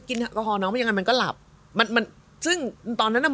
กินแบบน้องไม่ยังนั้นมันก็หลับมันมันซึ่งตอนนั้นอะ